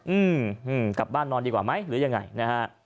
อืมกลับบ้านนอนดีกว่าไหมหรือยังไงนะฮะ